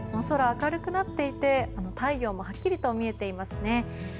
空、明るくなっていて太陽もはっきりと見えています。